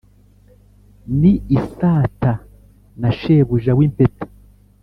ni isata na shebuja w' impeta